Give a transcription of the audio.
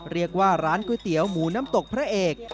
เรียกว่าร้านก๋วยเตี๋ยวหมูน้ำตกพระเอก